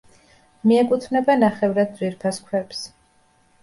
მიეკუთვნება ნახევრად ძვირფას ქვებს.